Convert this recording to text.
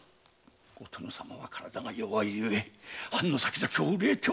お殿様は体が弱いゆえ藩の先々を憂えておる。